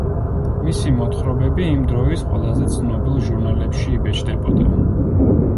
მისი მოთხრობები იმ დროის ყველაზე ცნობილ ჟურნალებში იბეჭდებოდა.